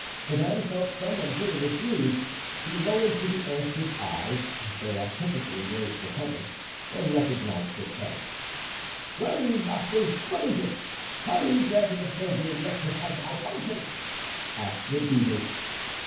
Bazin felt some one pulling his sleeve. He lowered to earth his eyes, beatifically raised to Heaven, and recognized Friquet. "Well, you rascal, what is it? How do you dare to disturb me in the exercise of my functions?" asked the beadle.